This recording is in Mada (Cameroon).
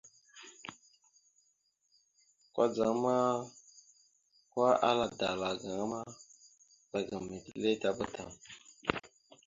Kudzaŋ ma, kwa, ala dala gaŋa ma, ɓəzagaam etelle tabá tam.